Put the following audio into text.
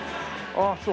ああそう。